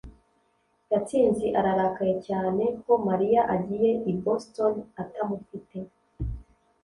gatsinzi ararakaye cyane ko mariya agiye i boston atamufite